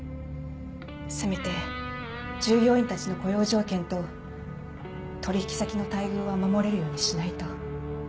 せめて従業員たちの雇用条件と取引先の待遇は守れるようにしないと。